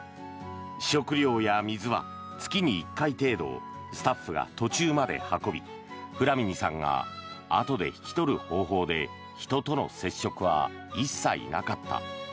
食料や水は月に１回程度スタッフが途中まで運びフラミニさんがあとで引き取る方法で人との接触は一切なかった。